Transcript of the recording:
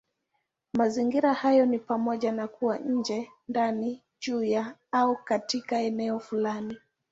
Mazingira hayo ni pamoja na kuwa nje, ndani, juu ya, au katika eneo fulani.